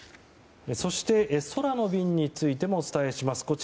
そして、空の便についてもお伝えします。